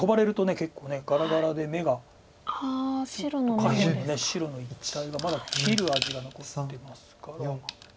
下辺の白の一帯がまだ切る味が残ってますから。